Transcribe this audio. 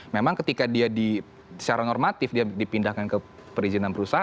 memang ketika dia secara normatif dipindahkan ke perizinan berusaha